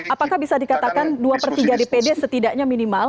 apakah bisa dikatakan dua per tiga dpd setidaknya minimal